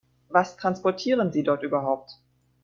Was transportieren Sie dort überhaupt?